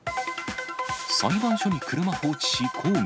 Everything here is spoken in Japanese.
裁判所に車放置し抗議。